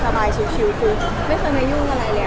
สบายชิ้วไม่เคยมายุ่งอะไรเลยอะค่ะ